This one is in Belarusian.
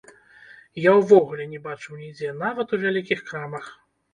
Я ўвогуле не бачыў нідзе, нават ў вялікіх крамах!